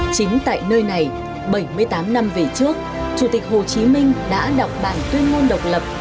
chính tại nơi này bảy mươi tám năm về trước chủ tịch hồ chí minh đã đọc bản tuyên ngôn độc lập